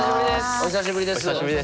お久しぶりです。